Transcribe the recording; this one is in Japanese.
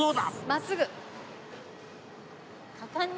真っすぐ。